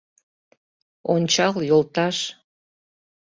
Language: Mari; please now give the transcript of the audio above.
Ончал, йолташ